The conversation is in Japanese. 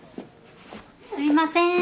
すいません。